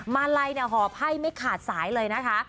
มาลัยหอบไพ่ไม่ขาดสายเลยนะคะ